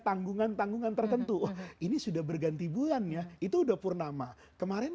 jangan kaya dengan belakang itu bukanlah p rendering luka dalla im president